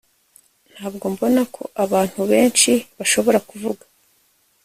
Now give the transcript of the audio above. ntabwo mbona ko abantu benshi bashobora kuvuga